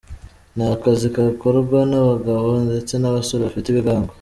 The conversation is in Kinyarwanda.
Ni akazi gakorwa n’abagabo ndetse n’abasore bafite ibigango.